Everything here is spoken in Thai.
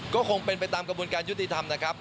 ก็คงเป็นไปตามกระบวนการยุติธรรมนะครับ